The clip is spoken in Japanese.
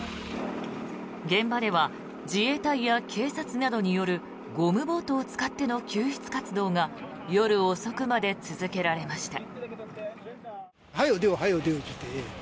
現場では自衛隊や警察などによるゴムボートを使っての救出作業が夜遅くまで続けられました。